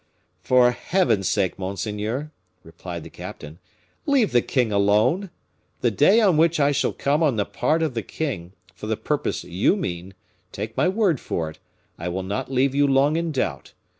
"For Heaven's sake, monseigneur," replied the captain, "leave the king alone! The day on which I shall come on the part of the king, for the purpose you mean, take my word for it, I will not leave you long in doubt.